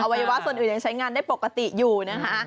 วัยวะส่วนอื่นยังใช้งานได้ปกติอยู่นะคะ